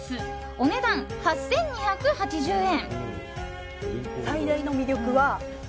お値段、８２８０円。